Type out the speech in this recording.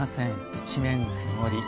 一面、曇り。